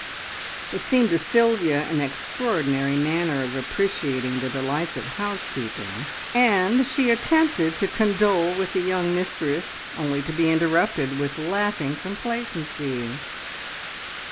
It seemed to Sylvia an extraordinary manner of appreciating the delights of housekeeping, and she attempted to condole with the young mistress, only to be interrupted with laughing complacency.